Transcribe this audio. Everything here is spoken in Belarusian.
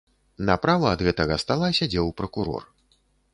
Направа ад гэтага стала сядзеў пракурор.